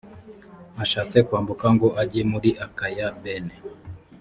ashatse kwambuka ngo ajye muri akaya bene